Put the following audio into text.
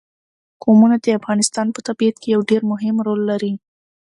قومونه د افغانستان په طبیعت کې یو ډېر مهم رول لري.